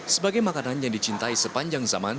sebagai makanan yang dicintai sepanjang zaman